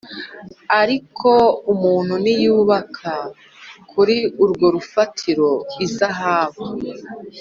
Ariko umuntu niyubaka kuri urwo rufatiro izahabu,